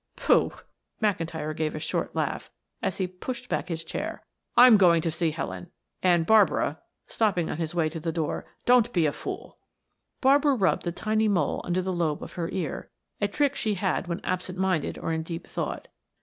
"Pooh!" McIntyre gave a short laugh, as he pushed back his chair. "I'm going to see Helen. And Barbara," stopping on his way to the door, "don't be a fool." Barbara rubbed the tiny mole under the lobe of her ear, a trick she had when absent minded or in deep thought.